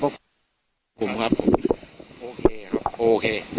บรรพบุคคล์ครับโอเคครับโอเค